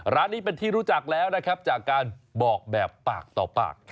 ร้านนี้เป็นที่รู้จักแล้วนะครับจากการบอกแบบปากต่อปาก